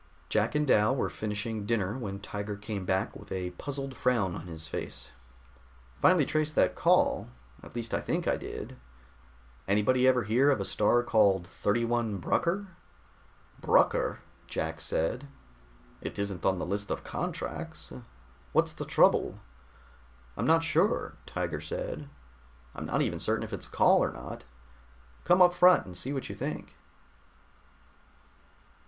Jack and Dal were finishing dinner when Tiger came back with a puzzled frown on his face. "Finally traced that call. At least I think I did. Anybody ever hear of a star called 31 Brucker?" "Brucker?" Jack said. "It isn't on the list of contracts. What's the trouble?" "I'm not sure," Tiger said. "I'm not even certain if it's a call or not. Come on up front and see what you think."